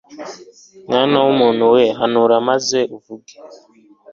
mwana w umuntu we hanura maze uvuge